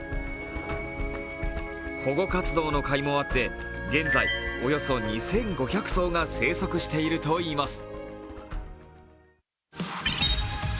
保護活動のかいもあって現在およそ２５００頭が生息しているといいます。